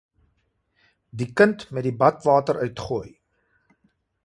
Die kind met die badwater uitgooi